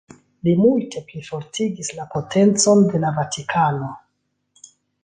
Li multe plifortigis la potencon de la Vatikano.